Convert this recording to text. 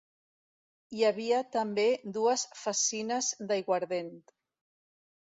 Hi havia també dues fassines d'aiguardent.